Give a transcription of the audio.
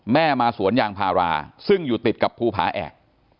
แม่มาสวนยางพาราซึ่งอยู่ติดกับภูผาแอก